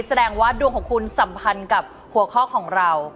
แสดงว่าดวงของคุณสัมพันธ์กับหัวข้อของเรา